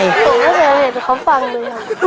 หนูก็เลยเห็นเขาฟังเลย